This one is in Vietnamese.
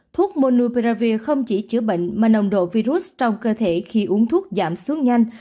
thuốc monupravir không chỉ chữa bệnh mà nồng độ virus trong cơ thể khi uống thuốc giảm xuống nhanh